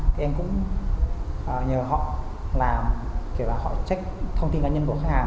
thì em cũng nhờ họ làm kể là họ check thông tin cá nhân của khách hàng